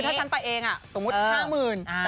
ถ้าฉันไปเองสมมุติ๕๐๐๐บาท